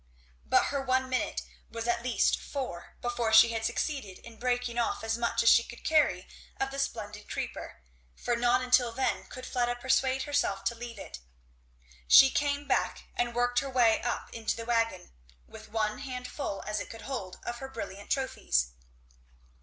But her one minute was at least four before she had succeeded in breaking off as much as she could carry of the splendid creeper; for not until then could Fleda persuade herself to leave it. She came back and worked her way up into the wagon with one hand full as it could hold of her brilliant trophies.